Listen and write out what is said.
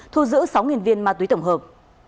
thu giữ sáu viên ma túy tổng hợp